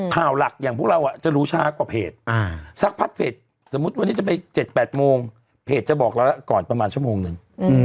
ข่าวหลักอย่างพวกเราจะรู้ช้ากว่าเพจสักพัดเพจสมมุติวันนี้จะไป๗๘โมงเพจจะบอกเราก่อนประมาณชั่วโมงนึง